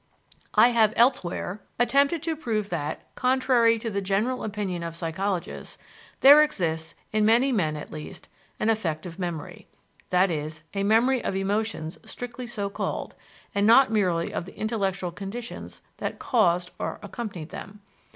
I have elsewhere attempted to prove that, contrary to the general opinion of psychologists, there exists, in many men at least, an affective memory; that is, a memory of emotions strictly so called, and not merely of the intellectual conditions that caused and accompanied them.